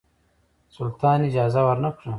سلطان اجازه ورنه کړه.